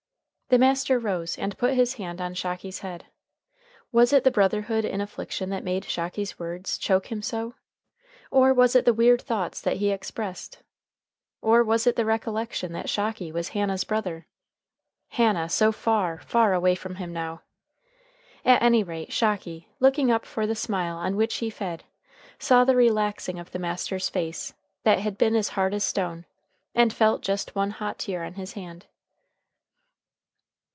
The master rose and put his hand on Shocky's head. Was it the brotherhood in affliction that made Shocky's words choke him so? Or, was it the weird thoughts that he expressed? Or, was it the recollection that Shocky was Hannah's brother? Hannah so far, far away from him now! At any rate, Shocky, looking up for the smile on which he fed, saw the relaxing of the master's face, that had been as hard as stone, and felt just one hot tear on his hand.